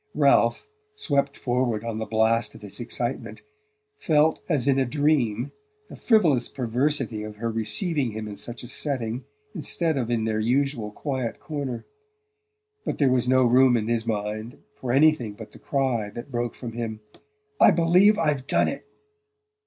Ralph, swept forward on the blast of his excitement, felt as in a dream the frivolous perversity of her receiving him in such a setting instead of in their usual quiet corner; but there was no room in his mind for anything but the cry that broke from him: "I believe I've done it!"